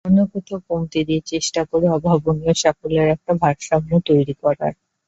অন্য কোথাও কমতি দিয়ে চেষ্টা করে অভাবনীয় সাফল্যের একটা ভারসাম্য তৈরি করার।